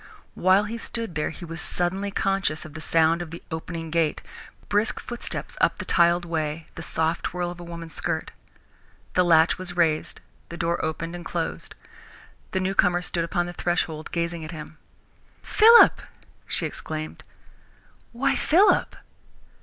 While he stood there he was suddenly conscious of the sound of the opening gate, brisk footsteps up the tiled way, the soft swirl of a woman's skirt. The latch was raised, the door opened and closed. The newcomer stood upon the threshold, gazing at him. "Philip!" she exclaimed. "Why, Philip!"